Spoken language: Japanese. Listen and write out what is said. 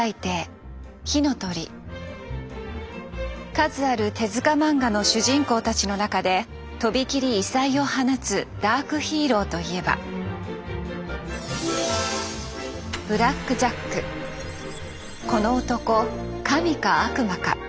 数ある手漫画の主人公たちの中でとびきり異彩を放つダークヒーローといえばこの男神か悪魔か。